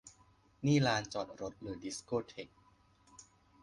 นี่ลานจอดรถหรือดิสโก้เธค